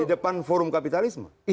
di depan forum kapitalisme